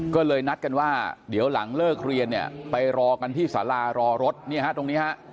ก็เลยนัดกันว่าเดี๋ยวหลังเลิกเรียนเนี่ยไปรอกันที่สารารอรถเนี่ยฮะตรงนี้ฮะ